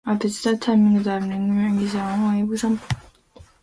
A digital timing diagram is an example of a well-ordered collection of rectangular pulses.